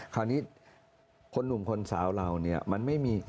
คราวนี้คนหนุ่มคนสาวเราเนี่ยมันไม่มี